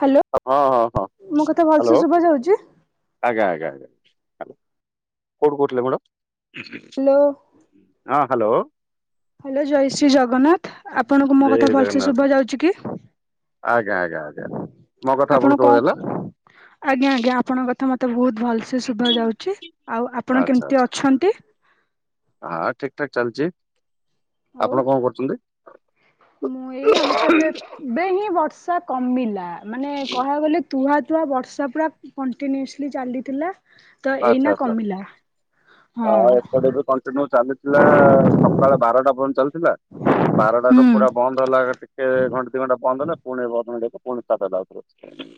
Hello ହଁ ହଁ ହଁ ମୋ କଥା ଭଲସେ ହ୍ୟାଲୋ। ଶୁଭା ଯାଉଛି ଆଜ୍ଞା ଆଜ୍ଞା ଆଜ୍ଞ କୋଉଠୁ କହୁଥିଲେ ମ୍ୟାଡ଼ାମ? ହ୍ୟାଲୋ ହଁ ହ୍ୟାଲୋ। ହ୍ୟାଲୋ ଜୟ ଶ୍ରୀ ଜଗନ୍ନାଥ ଆପଣଙ୍କୁ ମୋ କଥା ଜୟ ଭଲସେ ଜଗନ୍ନାଥ ଶୁଭାଯାଉଛି କି? ଆଜ୍ଞା ଆଜ୍ଞା ଆଜ୍ଞା ମୋ କଥା ଆପଣ ଆପଣଙ୍କୁ କଣ ସୁଭା ହେଲା। ଆଜ୍ଞା ଆଜ୍ଞା ଆପଣଙ୍କ କଥା ମତେ ବହୁତ ଭଲସ ଶୁଭା ଯାଉଛି। ଆଉ ଆପଣ ଆଚ୍ଛା କେମିତି ଆଚ୍ଛା ଅଛନ୍ତି? ହଁ ଠିକ ଠାକ ଚାଲିଛି ଆଉ ଆପଣ କଣ କରୁଛନ୍ତି? ମୁଁ ଏଇ ଆମତ ଏବେ ଏବେ ହିଁ ବର୍ଷା କମିଲା ମାନେ କହିବାକୁ ଗଲେ ତୁହା ତୁହା ବର୍ଷା ପୁରା କଣ୍ଟିନ୍ୟୁସଲି ଚାଲିଥିଲା। ତ ଆଚ୍ଛା ଏଇନା ଆଚ୍ଛା କମିଲା ହଁ। ସେ ଦିନ ଚାଲିଥିଲା ସକାଳ ବାରଟା ପର୍ଯ୍ୟନ୍ତ ଚାଲି ଥିଲା ବାରଟା ରୁ ହୁଁ ପୁରା ବନ୍ଦ ହେଲା ଟିକେ ଘଣ୍ଟେ ଦି ଘଣ୍ଟା ବନ୍ଦ ହେଲା ପୁଣି ଏବେ ଅଧଘଣ୍ଟା ହବ ପୁଣି ଷ୍ଟାର୍ଟ ହେଲା ଆଉ ଥରେ।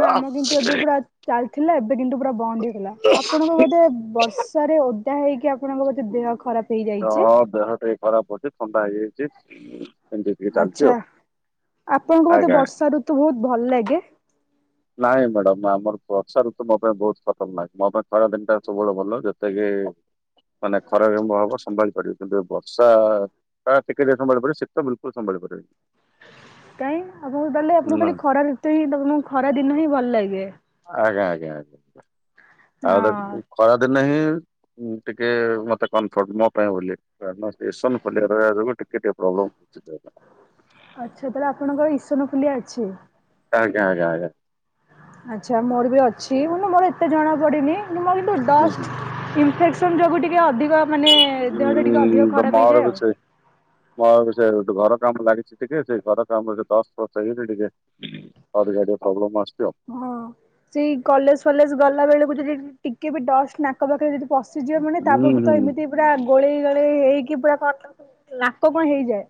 ନା ଆମ କିନ୍ତୁ ଏବେ ପୁରା ଚାଲିଥିଲା ଏବେ କିନ୍ତୁ ପୁରା ବନ୍ଦ ହେଇଗଲା ଆପଣଙ୍କ ବୋଧେ ବର୍ଷାରେ ଓଦା ହେଇକି ଆପଣଙ୍କ ବୋଧେ ଦେହ ଖରାପ। ହେଇଯାଇଛି ହ ଦେହଟା ବି ଖରାପ ଅଛି ଥଣ୍ଡା ହେଇଯାଇଛି। ଏମିତି ଟିକେ ଚାଲିଛି ଆଛା ଆଉ ଆପଣଙ୍କୁ ଆଜ୍ଞା ବୋଧେ ବର୍ଷା ଋତୁ ବହୁତ ଭଲ ଲାଗେ? ନାଇଁ ମ୍ୟାଡାମ ଆମର ବର୍ଷା ଋତୁ ମୋ ପାଇଁ ବହୁତ ଖତର ନାକ ମୋ ପାଇଁ ଖରା ଦିନଟା ସବୁବେଳେ ଭଲ ଯେତକି ମାନେ ଖରାରେ ବ ବସ କିନ୍ତୁ ବର୍ଷା ଟା ଟିକେ ଟିକେ ସମ୍ଭାଳି ପାରିବି ସିତ ବିଲକୁଲ ସମ୍ଭାଳି ପାରେନି। କାଇଁ ଆପଣଙ୍କୁ ତାହାଲେ ଆପଣ ଖାଲି ଖରା ଋତୁ ହିଁ ଆପଣଙ୍କୁ ଖରା ଦିନ ହିଁ ଭଲ ଲାଗେ। ଆଜ୍ଞା ଆଜ୍ଞା ଆଜ୍ଞା ଆଉ ହଁ ତାହାଲେ ଖରାଦିନେ ହିଁ ଟିକେ ମତେ କଫର୍ଟ ମୋ [unintelligible] ଏସନଫୁଲିଆରେ ଯୋଗୁ ଟିକେ ଟେ ପ୍ରବ୍ମ ଆଚ୍ଛା ତାହେଲେ ଆପଣଙ୍କର ଇସନ ଫୁଲିଆ ଅଛି? ଆଜ୍ଞା ଆଜ୍ଞା ଆଜ୍ଞା। ଆଚ୍ଛା ମୋର ବି ଅଛି କିନ୍ତୁ ମୋର ଏତେ ଜଣା ପଡେନି ମର କିନ୍ତୁ ଡ ହୁଁ ହୁଁ। ଇନଫେକ୍ସନ ଯୋଗୁ ଟିକେ ଅଧିକ ମାନେ ଦେହ ଟା ଟିକେ ଅଧିକ ଖରାପ ହେଇଯାଏ ଆଉ। ମୋ ସେ ଗୋ ଘର କାମ ଲାଗିଛି ଟିକେ ସେଇ ଘର କାମରେେ ଦଶ ବର୍ଷ ହେଇଛି ଟିକେ ଅଧିକା ଟିକେ ପ୍ରୋବଲେମ୍ ଆସୁଚି ଆଉ। ହଁ ସେଇ କଲେଜ ଫଲେଜ ଗଲା ବେଳକୁ ଯଦି ଟିକେ ବି ଡଷ୍ଟ ନାକ ପାଖରେ ଯଦି ପଶଯିବ ମାନେ ହୁଁ ତାପରଠୁ ତ ହୁଁ ଏମିତି ପୁରା ଗୋଳେଇ ଗୋଳେଇ ହେଇକି ପୁରା ନାକ କଣ ହେଇଯାଏ।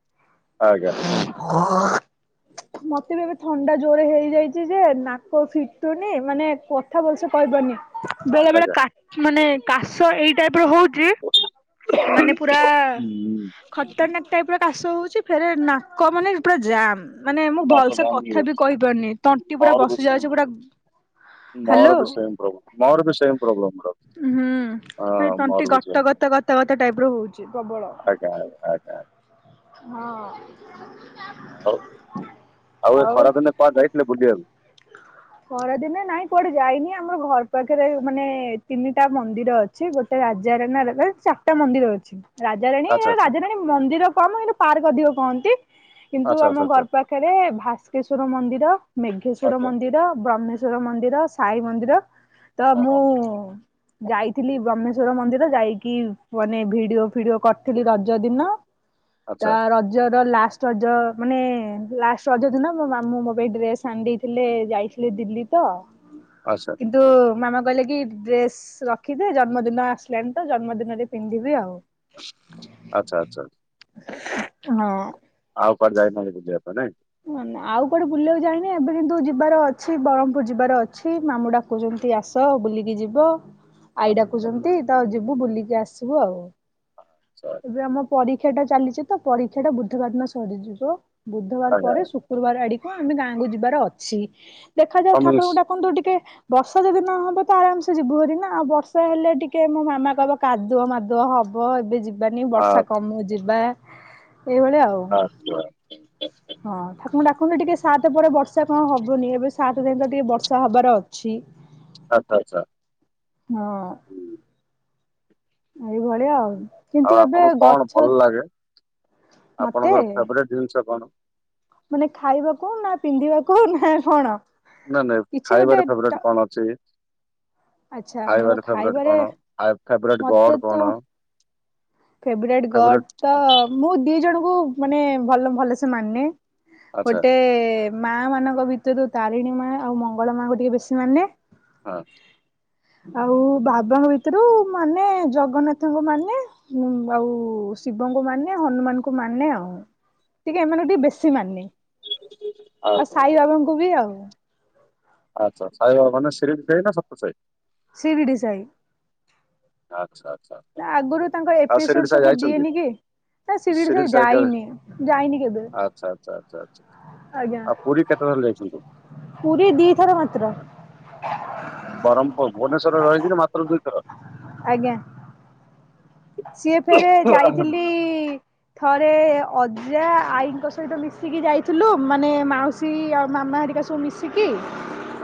ଆଜ୍ଞା ଆଜ୍ଞା। ମତେ ବି ଏବେ ଥଣ୍ଡା ଜୋରେ ହେଇଯାଇଛି ଯେ ନା କୋଉ ଫିଟୁନି ମାନେ କଥା ଭଲସେ କହିପାରୁନେହିଁ ବେଳେ ବେଳେ ଆଜ୍ଞା କା ମାନେ କାଶ ଏଇ ଟାଇପ ର ହଉଚି। କିଏମାନେ ପୁରା ଖତରନାକ୍ ଟାଇପ୍ ର। କାଶ ହୋଉଚି ଫେରେ ନାକ ମାନେ ପୁରା ଜାମ୍। ମାନେ ମୁଁ ନାକ ଭଲସେ ଦାମ କଥା ଇଏ ବି କହିପାରୁନେହିଁ ତଣ୍ଟି ପୁରା ବସ୍ ମୋର ବି ସେମ୍ ପ୍ରୋ ମୋର ବି ସେମେ ପ୍ରୋବ୍ଲେମେ ପୁର। ହୁଁ ଖଲି ତଣ୍ଟି ଗତ ଗତ ଗତ ଗତ ଟାଇପ୍ ର ହଉଚି ପ୍ରବଳ। [inaudible] ହଁ। ଆଉ ଆଉ ଏ ଖରା ଦିନରେ କୁଆଡେ ଯାଇଥିଲେ ବୁଲିଆକୁ? ଖରାଦିନରେ ନାଇଁ କୁଆଡେ ଯାଇନି ଆମର ଘର ପାଖରେ ମାନେ ତିନିଟା ମନ୍ଦିର ଅଛି। ସେ ଗୋଟେ ରାଜା ରେ ନା ଚାରିଟା ମନ୍ଦିର ଅଛି। ରାଜାରାଣୀ ଆଚ୍ଛା ରାଜାରାଣୀ ମନ୍ଦିର କମ୍ କିନ୍ତୁ ପାର୍କ ଅଧିକ କହନ୍ତି କିନ୍ତୁ ଆଚ୍ଛା ଆଚ୍ଛା ଆଚ୍ଛା ଆମ ଆଚ୍ଛା ଘର ପା ପାଖରେ ଭାସ୍କେଶ୍ଵର ମନ୍ଦିର ମେଘେଶ୍ଵର ଆଚ୍ଛା ମନ୍ଦିର ବ୍ରହ୍ମେଶ ସ୍ବର ମନ୍ଦିର ସାଇ ମନ୍ଦିର। ତ ହଁ ହଁ ମୁଁ ଯାଇଥିଲି ବ୍ରହ୍ମେଶ୍ଵର ମନ୍ଦିର ଯାଇକି ମାନେ ଭିଡିଓ ଫିଡିଓ କରିଥିଲି ରଜ ଦିନ। ତା ଆଚ୍ଛା ରଜ ର ଲାଷ୍ଟେ। ରଜ ମାନେ ଲାଷ୍ଟେ ରଜ ଦିନ ମୋ ମାମୁଁ ମୋ ପାଇଁ ଡ୍ରେସ୍ ଆଣିଦେଇଥିଲେ ଯାଇଥିଲେ ଦିଲ୍ଲୀ ତ। ଆଛା। କିନ୍ତୁ ମାମା କହିଲେ କି ଡ୍ରେସେ୍। ରଖିଦେ ଜନ୍ମଦିନ ଆସିଲାଣି ତ ଜନ୍ମଦିନରେ ପିନ୍ଧିବି ଆଉ। ଆଚ୍ଛା ଆଚ୍ଛା। ହଁ। ଆଉ କୁଆଡେ ଯାଇନାହାନ୍ତି ବୁଲିବା ପାଇଁ ନାଇଁ? ନ ଆଉ କୁଆଡେ ବୁଲିବାକୁ ଯାଇନି ଏବେ କିନ୍ତୁ ଯିବାର ଅଛି ବରହମପୁରୁ ଯିବାର ଅଛି ମାମୁ ଡା କହୁଛନ୍ତି ଆସ ବୁଲିକି ଯିବ ଆଇ ଡାକୁଛନ୍ତି ଆଚ୍ଛା ତ ଯିବୁ ବୁଲିକି ଆସିବୁ ଆଉ। ଚ ଏ। ଏବେ ଆମ ପରୀକ୍ଷା ଟା ଚାଲିଚି ତ ପରୀକ୍ଷା ଟା ବୁଧବାର ଦିନ ସରିଯିବ ବୁଧବାର ଆଜ୍ଞା ପରେ ଶୁ ଶୁକ୍ରୁବାର ଆଡିକୁ ଆମେ ଗାଁକୁ ଯିବାର ଅଛି ଦେଖାଯାଉ କମିସ୍ ଠାକୁରଙ୍କୁ ଡାକନ୍ତୁ ଟିକେ ବର୍ଷା ଯଦି ନହବ ତ ଆରାମ ସେ ଯିବୁ ହାରି ନା ଆଉ ବର୍ଷା ହେଲେ ଟିକେ ମୋ ମାମା କହିବ କାଦୁଅ ମାଦୁଅ ହବ ଏବେ ଯିବାନି ବର୍ଷା ଆଚ୍ଛା କମୁ ଯିବା ଏଇଭଳିଆ ଆଉ। ଆଚା। ହଁ ଠାକୁ ଙ୍କୁ ଡାକନ୍ତୁ ଟିକେ ସାତ ପରେ ବର୍ଷା କଣ ହବନି ଏବେ ସାତ ଯାଏ ତ ଟିକେ ବର୍ଷା ହବାର ଅଛି। ଆଚ୍ଛା ଆଚ୍ଛା। ହଁ। ହୁଁ। ଏଇଭଳିଆ ଆଉ ଆଉ କିନ୍ତୁ ଏବେ ଆପଣଙ୍କୁ କଣ ଭଲ ଗଛ। ଲାଗେ ମତେ ଆପଣଙ୍କର ଫେବରାଇଟ୍ ଜିନିଷ କଣ? ମାନେ ଖାଇବାକୁ ନା ପିନ୍ଧିବାକୁ ନା କଣ? ନାଇ ନାଇଁ କିଛି ଗୋଟେ ଖାଇବାରେ ଟ ଫେବରାଇଟ କଣ ଅଛି? ଆଚ୍ଛା ମୋର ଖାଇବାରେ ଫେବରାଇଟ୍ କଣ ଆଉ ଫେବରାଇଟ୍ ଗଡ କଣ? ଫେବରାଇଟ୍ ଗଡ ଫେବରାଇଟ ତ ମୁଁ ଦି ଜଣଙ୍କୁ ମାନେ ଭଲ ଭଲ ସେ ମାନେ। ଆଚ୍ଛା ଗୋଟେ ମା ମାନଙ୍କ ଭିତୁରୁ ତାରିଣୀ ମା ଆଉ ମଙ୍ଗଳା ମାଙ୍କୁ ଟିକେ ବେଶୀ ମାନେ। [inaudible] ଆଉ ବାବାଙ୍କ ଭିତରୁ ମାନେ ଜଗନ୍ନାଥଙ୍କୁ ମାନେ। ହୁଁ ଆଉ ଶିବଙ୍କୁ ମାନେ ହନୁମାନଙ୍କୁ ମାନେ ଆଉ। ଟିକେ ଏମାନେଙ୍କୁ ଟିକେ ବେଶୀ ମାନେ ଆଉ ସାଇ ବାବାଙ୍କୁ ବି ଆଉ ଆଚ୍ଛା ଛା ସାଇବାବା ମାନେ ଶିରିଡ଼ିସାଇ ନା ସତ୍ୟସାଇ? ସିରିଡିଶାଇ। ଆଚ୍ଛା ଆଚ୍ଛା ଆଛା ଆଗରୁ ତାଙ୍କ ଆଉ ଏପିସୋଡ ଶିରିଡ଼ିସାଇ ସବୁ ଯାଇଛନ୍ତି? ଦିଏନି କି? ନା ଶିରିଡି ଶିରିଡ଼ ସାଇ କେବେ ଯାଇନି ଯାଇନି କେବେ। ଆଚ୍ଛା ଆଚ୍ଛା ଆଛା ଆଛା। ଆଜ୍ଞା ଆଉ ପୁରୀ କେତେଥର ଯାଇଛନ୍ତି? ପୁରୀ ଦି ଥର ମାତ୍ର। ବରହମପୂର୍ ଭୁବନେଶ୍ୱର ରେ ରହିକିରି ମାତ୍ର ଦୁଇଥର। ଆଜ୍ଞା। ସିଏ ଫେରେ ଯାଇଥିଲି ଥରେ ଅଜା ଆଈଙ୍କ ସହିତ ମିଶିକି ଯାଇଥିଲୁ ମାନେ ମାଉସୀ ସି ଆଉ ମାମା ହେରିକା ସବୁ ମିଶିକି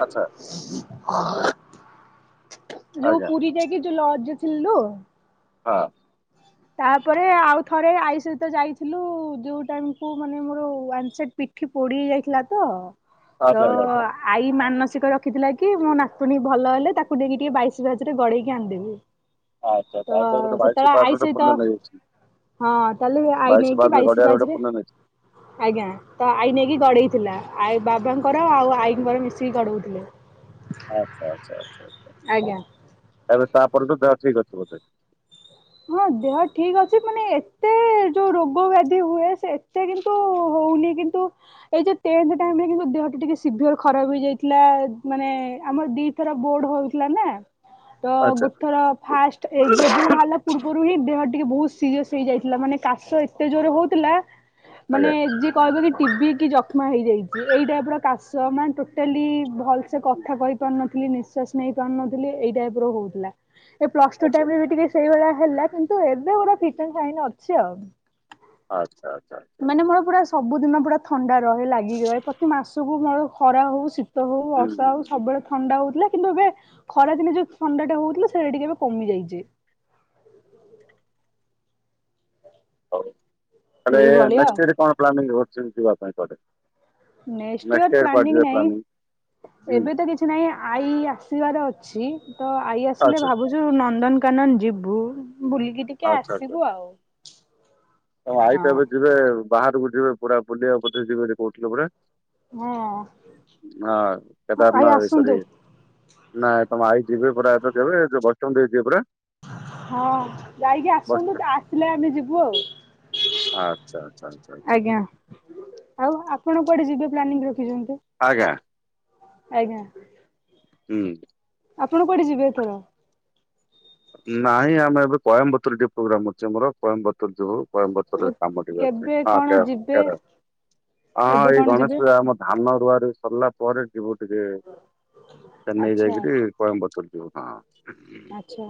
ଆଚ୍ଛା। ଯଉ ଆଜ୍ଞା ପୁରୀ ଯାଇକି ଯୋଉ ଲଜ୍ଜରେ ଥିଲୁ। ହଁ [inaudible] ତାପରେ ଆଉ ଥରେ ଆଇ ସହିତ ଯାଇଥିଲୁ ଯୋଉ ଟାଇମକୁୁ ମାନେ ମୋର ୱାନସାଇଟ ପି ସେ ପୋଡି ହେଇ ଯାଇଥିଲା ତ ତ ଆଚ୍ଛା ଆଜ୍ଞା ଆଚ୍ଛା। ଆଈ ମାନସିକ ରଖିଥିଲା କି ମୋ ନାତୁଣୀ ଭଲ ହେଲେ ତାକୁ ନେଇକି ଟିକେ ବାଇଶ ପାହାଚ ରେ ଗଡେଇକି ଆଣିଦେବି। ଆଛା ତ ତାପରେ ଗୋଟେ ବାଇଶି ସେତେବେଳେ ପାହାଚରେ ଆଈ ଗୋଟେ ପୂର୍ଣ୍ଣ ସହିତ ନେଇଯାଇଛି ହଁ ତାହେଲେ ଆଈ ବାଇଶ ନେଇକି ପାହାଚରେ ବାଇଶି ଗଡେଇଆରେ ଗୋଟେ ପୂର୍ଣ୍ଣ ନେଇଛି। ଆଜ୍ଞା। ତ ଆଇ ନେଇକି ଗଡେଇଥିଲା ଆ ବାବାଙ୍କର ଆଉ ଆଈଙ୍କର ମିଶିକି ଗଡଉଥିଲେ। ଆଚ୍ଛା ଆଚ୍ଛ ଆଛା ଆଛା। ଆଜ୍ଞା। ତାହେଲେ ତାପରଠୁ ଦେହ ଠିକ୍ ଅଛି ବୋଧେ। ହଁ ଦେହ ଠିକ ଅଛି ମାନେ ଏତେ ଯୋଉ ରୋଗ ବ୍ୟାଧି ହୁଏ ଏତେ କିନ୍ତୁ ହଉନି କିନ୍ତୁ ଏଇ ଯେ ଟେନ୍ଥ ଟାଇମ ରେ କିନ୍ତୁ ଦେହଟିା ଟିକିେ ସିଭିଅର୍ ଖରାପ ହେଇଯାଇଥିଲା ମାନେ ଆମର ଦୁଇଥର ବୋର୍ଡ଼ ହଉଥିଲା ନା। ତ ଆଚ୍ଛା ଗୋଟଥର ଫାଷ୍ଟ ଏଇ ରେଜଲ୍ଟ ବାହାରିଲା ପୂର୍ବରୁ ହିଁ ଦେହ ଟିକେ ବହୁତ ସିରିଅସ ହେଇଯାଇଥିଲା ମାନେ କାଶ ଏତେ ଜୋରରେ ହଉଥିଲା ମାନେ ଆଜ୍ଞା ଯେ କହିବ କି ଟିଭିି କି ଜଷ୍ମା ହେଇଯାଇଛି ଏଇ ଟାଇପ ର କାଶ ମାନେ ଟୋଟାଲି ଭଲସେ କ କଥା କହିପାରୁନଥିଲି ନିଶ୍ୱାସ ନେଇପାରୁନଥିଲି ଏଇ ଟାଇପ୍ର ହଉଥିଲା। ଏ ପ୍ଲସ ଟୁ ଆଚ୍ଛା ଟାଇମରେ ବି ଟିକେ ସେଇଭଳିଆ ହେଲା କିନ୍ତୁ ଏବେ ପୁରା ଫିଟ ଆଣ୍ଡ ଫାଇନ ଅଛି ଆଉ। ଆଚ୍ଛା ଆଚ୍ଛା। ଆଚ୍ଛା। ମାନେ ମୋର ପୁରା ସବୁଦିନ ପୁରା ଥଣ୍ଡା ରହେ ଲାଗିକି ରହେ ପ୍ରତି ମାସକୁ ମୋର ଖରା ହଉ ଶୀତ ହଉ ହୁଁ ତ ଆଉ ସବୁବେଳେ ଥଣ୍ଡା ହଉଥିଲା କିନ୍ତୁ ଏବେ ଖରାଦିନେ ଯୋଉ ଥଣ୍ଡା ଟା ହଉଥିଲା ସେଇଟା ଟିକେ ଏବେ କମିଯାଇଛି। ହଉ ତାଲେ ଏଇଭଳିଆ ନେଷ୍ଟ ଆଉ ଇଅରରେ କଣ ପ୍ଲାନିଂ କରିଛନ୍ତି ଯିବା ପାଇଁ କୁଆଡେ? ନେଷ୍ଟ ଇଅର ନେକ୍ସଟ୍ ଇୟର କୁଆଡେ ପ୍ଲାନିଂ ଯିବେ ନାଇଁ ହୁଁ ଏବେ ତ କିଛି କି ନାଇଁ ଆଈ ଆସିବାର ଅଛି ତ ଆଈ ଆସିଲେ ଆଚ୍ଛା ଭାବୁ ନନ୍ଦନକାନନ ଯିବୁ ବୁଲିକି ଟିକେ ଆସିବୁ ଆଉ। ହଁ ଆଇ ତ ଏବେ ଯିବେ ବାହାରକୁ ଯିବେ ପୁରା ବୁଲିିବା କୁ କଉଥିରେ ଯିବେ ବୋଲି କହୁଥିଲେ ପରା। ହଁ ହଁ ଆଈ କେଦାରନାଥ ଏ ଆସନ୍ତୁ ସରି ନାଇଁ ତମ ଆଇ ଯିବେ ପୁରା ଏତ ଯବେ ଯୋଉ [unintelligible] ପୁରା। ହଁ ଯାଇକି ଆସନ୍ତୁ ଆସିଲେ ଆମେ ଯିବୁ ଆଉ। ଆଚ୍ଛା ଆଚ୍ଛା ଆଚ୍ଛା ଆଚ୍ଛା। ଆଜ୍ଞା ଆଉ ଆପଣ କୁଆଡେ ଯିବେ ପ୍ଲାନିଂ ରଖିଛନ୍ତି। ଆଜ୍ଞା। ଆଜ୍ଞା। ହୁଁ। ଆପଣ କୁଆଡେ ଯିବେ ଏଥର? ନାଇଁ ଆମେ ଏବେ କଏମ୍ବତରୀ ଟିକେ ପ୍ରୋଗ୍ରାମ ଅଛି ଆମର କଏମ୍ବତୀ। ଯିବୁ କେବେ କଣ ଯିବେ [unintelligible] ହଁ କେବେ ଏଇ କଣ ଗଣେଶ ଯିବେ ପୂଜା ମ ଧାନ ରୁଆ ରୁଇ ସରିଲା ପରେ ଯିବୁ ଟିକେ ଚେନ୍ନାଇ ଆଚ୍ଛା ଯାଇକିରି କଏମ୍ବତୂର ଯୋଉ ହଁ। ଆଚ୍ଛା।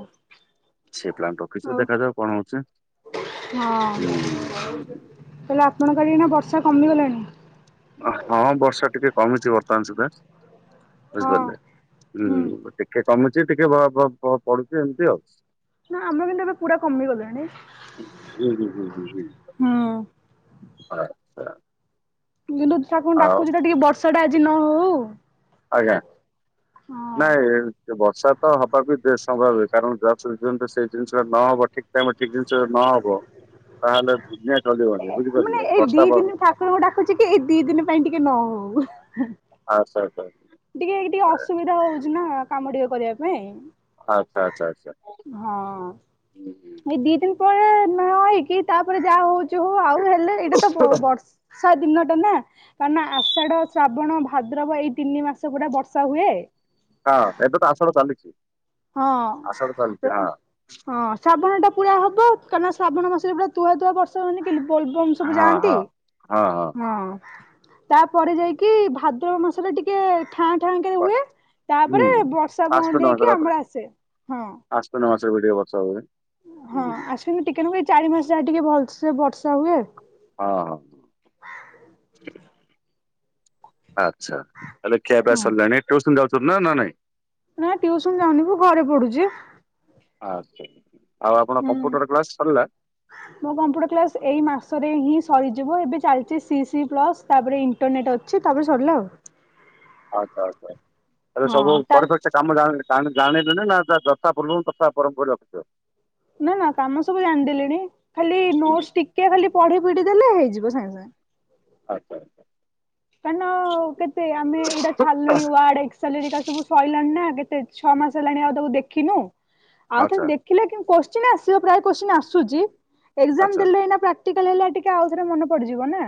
ସେ ପ୍ଲାନ୍ ରଖିଛୁ ଆଉ ଦେଖାଯାଉ କଣ ହୋଉଛି ହୁଁ। ତାହେଲେ ଆପଣଙ୍କ ଆଡ଼େ ଏଇନା ବର୍ଷା କମିଗଲାଣି। ହଁ ବର୍ଷା ଟିକେ କମିଚି ବର୍ତ୍ତମାନ ସୁଦ୍ଧା। ହଁ ବୁଝିପାରୁିଲେ ହୁଁ ଟିକେ କମୁଛି ଟିକେ ପଡୁଛି ଏମିତି ଆଉ। ନା ଆମେ ବିନ୍ଦା ଏବେ ପୁରା କମିଗଲେଣି ହୁଁ ହୁଁ ହୁଁ ହୁଁ। ହାମ [unintelligible] କିନ୍ତୁ ତାକୁ ଡାକୁଛିତ ଟିକେ ବର୍ଷା ଟା ଆଜି ନ ହୋଉ ଆଜ୍ଞା ନାଇଁ ଏ ବର୍ଷା ତ ହବା ବି ଦେ ସମ୍ଭବ ହୁଏ କାରଣ ଯ ସେଇ ଜିନିଷଟା ନ ହବ ଠିକ୍ ଟାଇମ୍ ଠିକ୍ ଜିନିଷ ନ ହବ ତାହେଲେ ଦୁନଆ ଚାଲିବନି ବୁଝିପାରିଲ ବର୍ଷା ବନ୍ଦ ଠାକୁର ଙ୍କୁ ଡାକୁଚି ତ ଏଇ ଦି ଦିନ ପାଇଁ ଟିକେ ନ ହୋଉ। ଆ ସରକାର କୁ ଟିକେ ଟିକେ ଅସୁବିଧା ହୋଉଚି ନା କାମ ଟିକେ କରିବା ପାଇଁ ଆଚ୍ଛା ଆଚ୍ଛା ଆଚ୍ଛା ହୁଁ ହଁ। ହୁଁ। ଏଇ ଦି ଦିନ ପରେ ନ ହେଇକି ତାପରେ ଯାହା ହୋଉଚି ହୋଉ ଆଉ ହେଲେ ଏଇଟା ତ ବର୍ଷ ସେ ଦିନ ଟା ନାଁ କାରଣ ନା ଆଷାଢ ଶ୍ରାବଣ ଭାଦ୍ରବ ଏଇ ତିନି ମାସ ପୁରା ବର୍ଷା ହୁଏ। ହଁ ଏବେ ତ ଆଷାଢ ଚାଲିଚି ହଁ ହଁ ଶ୍ରାବଣ ଟା ପୁରା ହବ କାରାଣ ଶ୍ରାବଣ ମାସରେ ପୁରା ତୁଆ ତୁଆ ବର୍ଷ ସେମାନେ ତ ବୋଲବମ୍ ସବୁ ହଁ ଯାଆନ୍ତି ହଁ ହଁ ତା ପରେ ଯାଇକି ଭାଦ୍ରବ ମାସରେ ଟି ଟିକେ ଠାଁ ଠା ରେ ହୁଏ ହୁଁ ତାପରେ ବର୍ଷା ବନ୍ଦ ହେଇକି ଆମର ଆସେ ହଁ ଅଶ୍ୱିନ ମାସରେ ଭଡ଼ିିଆ ବର୍ଷା ହୁଏ। ହଁ ହୁଁ ଅଶ୍ୱିନ ଟିକେ ଚାରି ମାସ ଯାଏ ଟିକେ ଭଲସେ ବର୍ଷା ହୁଏ ହଁ [inaudible] ଆଚ୍ଛା ହେଲେ ଖିଆ ପିଆ ହଁ। ସିଲାଣି ଟ୍ୟୁସନ ଯାଉଛଛନ୍ତି ନା ନା ନାଇଁ? ନା ଟ୍ୟୁସନ ଯାଉନିି କି ଘରେ ପଢୁଚୁ। ଆଚ୍ଛା ଆଉ ଆପଣ ହୁଁ। କମ୍ପୁଟର କ୍ଲାସ ସରିଲା? ମୋ କମ୍ପୁଟର କ୍ଲାସ୍ ଏଇ ମାସରେ ହିଁ ସରିଯିବ ଏବେ ଚାଲିଚି ସି ସି ପ୍ଲସ୍ ତାପରେ ଏଇ ଏଣ୍ଟରନେଟ ଅଛି ତାପରେ ସରିଲା ଆଉ? ଆଚ୍ଛା ଆଛା ଆଚ୍ଛା ହେଲେ ସବୁ ହଁ ତା ପରେ ଚା କାମ ଜାଣ ଜାଣ ଜାଣିଲୁନା ନା ତା ଯଥା ଫୁଲୁ ତଥା ପରମପୁର ରଖୁଛ? ନା ନା କାମ ସବୁ ଜାଣିଦେଲିଣି ଖାଲି ନୋଟସ ଟିକେ ଖାଲି ପଢି ପିଢି ଦେଲେ ହେଇଯିବ ସାଙ୍ଗେ ସାଙ୍ଗେ। ଆଚ୍ଛା ଆଚ୍ଛା। କାଇଁ ନ କେତେ ଆମେ ଏଇଟା ଛାଡିଲୁଣି ୱଡେ ଏକ୍ସ ସାଲେରୀ କା ସବୁ ସଇଲାଣି ନା କେତେ ଛଅ ମାସ ହେଲାଣି ଆଉ ତାକୁ ଦେଖିନୁ ଆଉ ଆଚ୍ଛା ଥରେ ଦେ ହେଲେ କ୍ୟୁ କ୍ୱାସଚୀନ ଆସିବ ପ୍ରୟ କ୍ୱାସଚୀନ ଆସୁଛି ଏକ୍ଜାମ ଆଚ୍ଛା ଦେଲେ ଏନା ପ୍ରା ଟିକାଲ ହେଲା ଟିକେ ଆଉ ଥରେ ମନ ପଡିଯିବ ନା?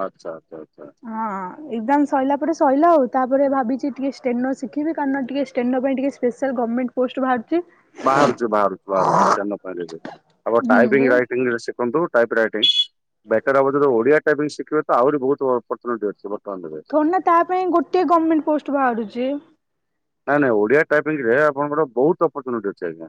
ଆଚ୍ଛା ଆଚ୍ଛା ଆଚ୍ଛା ଆଚ୍ଛା। ହଁ ଏକଜାମ ସରିଲା ପରେ ସରିଲା ଆଉ ତାପରେ ଭାବିଛି ଟିକେ ଷ୍ଟେନର୍ ଶିଖିବି କାରଣ ଟିକେ ଷ୍ଟେନର୍ ପାଇଁ ଟିକେ ସ୍ପେସାଲ୍ ଗମେଣ୍ଟ ପୋଷ୍ଟ ବାହାରୁଛି। ବାହାରୁଛି ବାହରୁଛି ବାହାରୁଚି ଷ୍ଟେନର୍ ପାଇଁ ଆପଣ ହୁଁ ଯେ ଟାଇପିଙ୍ଗ ରାଇଡ ଇଙ୍ଗ ଶିଖନ୍ତୁ ଟାଇପ ରାଇଟିଙ୍ଗ ବେଟର ହବ ଯଦି ଓଡିଆ ଟାଇପିଙ୍ଗ ଶିିଖିବେ ତ ଆହୁରି ବହୁତ ଅପରଚୁନିଟି ଆସିବ। ଥୋଡୀନା ତା ପାଇଁ ଗୋଟିଏ ଗମେଣ୍ଟ ପୋଷ୍ଟ ବାହାରୁଛି। ନାଇଁ ନାଇଁ ଓଡିଆ ଟାଇପିଙ୍ଗ ରେ ଆପଣଙ୍କର ବହୁତ ଅପାରଚୁନିଟି ଅଛି ଆଜ୍ଞା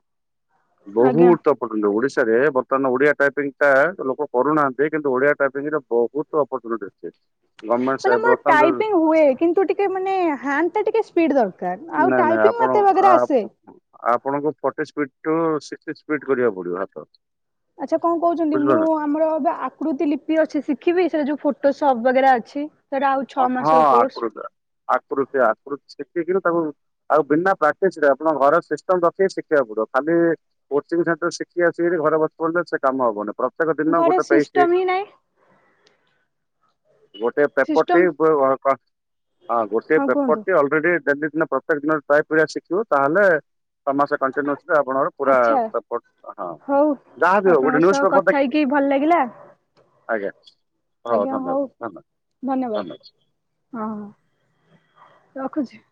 ଆଜ୍ଞା। ବହୁତ ଅପ ଦେଖନ୍ତୁ ଓଡ଼ିଶାରେ ବର୍ତ୍ତମାନ ଓଡ଼ିଆ ଟାଇପିଙ୍ଗ ଟା ଲୋକ କରୁନାହାନ୍ତି କିନ୍ତୁ ଓଡ଼ିଆ ଟାଇପିଙ୍ଗରେ ବହୁତ ଅପର୍ଚ୍ୟୁନିଟି ଅଛି। [unintelligible] ସେ ମାନେ ମୋର ବର୍ତ୍ତମାନ ଯୋଉ- ଟାଇପିଙ୍ଗ ହୁଏ କିନ୍ତୁ ଟିକେ ମାନେ ହ୍ୟାଣ୍ଡ ଟା ଟିକେ ସ୍ପିଡ ଦର ଟା ଆଉ ନାଇଁ ନାଇଁ ଟାଇପିଙ୍ଗ ଆପଣ ମତେ ବଗେରା ଆସେ। ଆ- ଆପଣଙ୍କୁ ଫର୍ଟି ସ୍ପିଡ ଠୁ ସିକ୍ଟୀ ସ୍ପିଡ କରିବାକୁ ପଡିବ ହାତ? ଆଚ୍ଛା କଣ କହୁଛନ୍ତି ବୁଝିଲ ମୁଁ ନା। ଆମର ଏବେ ଆ କୃତି ଲିପି ଅଛି ଶିଖିବି ସେରା ଯୋଉ ଫୋଟୋ ସପ୍ ବଗେରା ଅଛି? ସେଟା ଆଉ ଛଅ ହଁ ମାସର କୋର୍ସ ଆକୃତି ଆକୃତି ଆକୃତି ଶିଖିକିରି ତାକୁ ଆଉ ବିନା ପ୍ରାକ୍ଟିସ ରେ ଆପଣ ଘର ସିଷ୍ଟମ ରଖିକି ଶିଖିବାକୁ ପଡିବ ଖାଲି କୋଚିଂ ସେଣ୍ଟର ଶିଖି ଆସିକି ଘରେ ବସି ପଡିଲେ ସେ କାମ ହବନି ପ୍ରତ୍ୟେକ ଦିନ ଘରେ ଗୋଟେ ପେଇଜ୍ ଟି ସିଷ୍ଟମ ହିଁ ନାହିଁ ଗୋଟେ ସିଷ୍ଟମ ପପଟି ଉପର ଘର୍ କ ହଁ ଗୋଟେ ପେପଟି ଅଳ୍ପ ଆଲରେଡି ଦିନ ପ୍ରତ୍ୟେକ ଦିନ ଟ୍ରାଏ କରିବା ଶିଖିବ ତାହେଲେ ଛଅ ମାସେ କଣ୍ଟିନ୍ୟୁସ୍ଲି ଆପଣଙ୍କର ପୁରା ଆଚ୍ଛା ପେପର୍ ହଁ ହଉ। ଯାହା ବି ହୋଊ ଆପଣଙ୍କ ଗୋଟେ ସହ ନ୍ୟୁଜ ପେପର କଥା ଦେଖ୍ ହେଇକି ଭଲ ଲାଗିଲା ଆଜ୍ଞା ହଉ ଧନ୍ୟବାଦ ଧନ୍ୟବାଦ। ଧନ୍ୟବାଦ ହଁ ହଁ ରଖୁଛି।